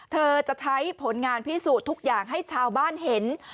เธอจะใช้ผลงานพิสูจน์ทุกอย่างให้ชาวบ้านเห็น